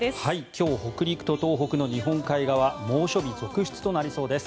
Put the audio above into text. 今日北陸と東北の日本海側猛暑日続出となりそうです。